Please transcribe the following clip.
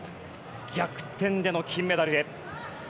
逆転での金メダルへ。